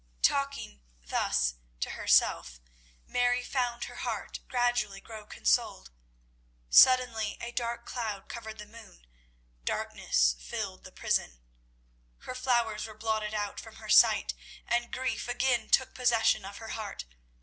Talking thus to herself, Mary found her heart gradually grow consoled. Suddenly a dark cloud covered the moon; darkness filled the prison. Her flowers were blotted out from her sight, and grief again took possession of her heart.